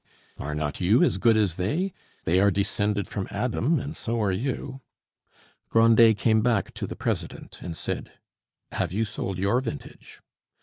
"Are not you as good as they? They are descended from Adam, and so are you." Grandet came back to the president and said, "Have you sold your vintage?"